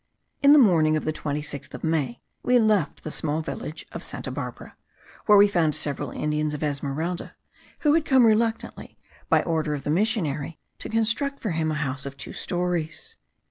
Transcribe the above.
In the morning of the 26th of May we left the little village of Santa Barbara, where we found several Indians of Esmeralda, who had come reluctantly, by order of the missionary, to construct for him a house of two stories.